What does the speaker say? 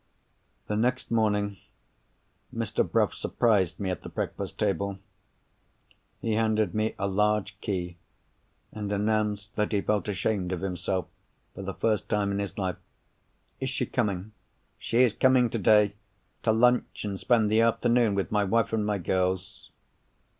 The next morning, Mr. Bruff surprised me at the breakfast table. He handed me a large key, and announced that he felt ashamed of himself for the first time in his life. "Is she coming?" "She is coming today, to lunch and spend the afternoon with my wife and my girls."